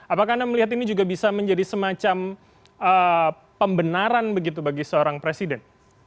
apakah anda melihat ini juga bisa menjadi semacam pembenaran begitu bagi seorang presiden